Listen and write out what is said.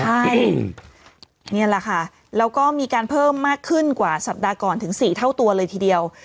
ใช่นี่แหละค่ะแล้วก็มีการเพิ่มมากขึ้นกว่าสัปดาห์ก่อนถึง๔เท่าตัวเลยทีเดียว